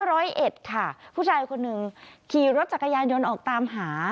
ร้อยเอ็ดค่ะผู้ชายคนหนึ่งขี่รถจักรยานยนต์ออกตามหา